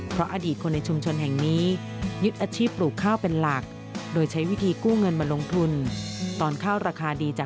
เพราะอดีตคนในชุมชนแห่งนี้ยึดอาชีพปลูกข้าวเป็นหลัก